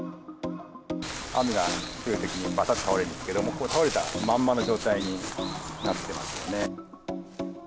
雨が強いときに、ばたっと倒れるんですけど、倒れたまんまの状態になってますよね。